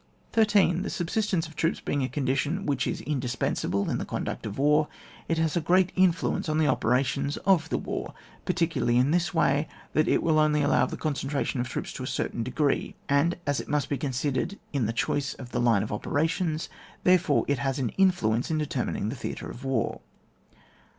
13. The subsistence of troops being a condition which is indispensable in the con duct of war, it has a great influence on the operations of the war, particularly in this way, that it will only allow of the concentration of troops to a certain de gree ; and as it must be considered in the choice of the line of operations, therefore it has an influence in determining the theatre of war.